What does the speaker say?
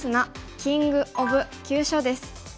キング・オブ・急所」です。